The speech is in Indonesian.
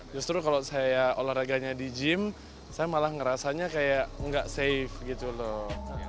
justru kalau saya olahraganya di gym saya malah ngerasanya kayak nggak safe gitu loh